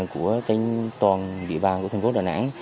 của toàn địa bàn của thành phố đà nẵng